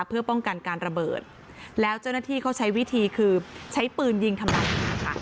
เพื่อป้องกันการระเบิดแล้วเจ้าหน้าที่เขาใช้วิธีคือใช้ปืนยิงทำลายมาค่ะ